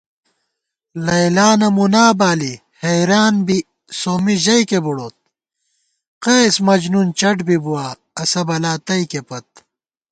لیلٰی نہ مُنابالی حیریان بی سومّی ژَئیکے بُڑوت * قیس مجنون چٹ بِبُوا اسہ بلا تئیکےپت